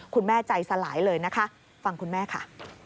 คุณแม่ใจสลายเลยนะคะฟังคุณแม่ค่ะ